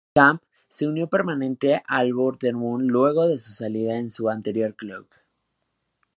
Camp se unió permanentemente al Bournemouth luego de su salida en su anterior club.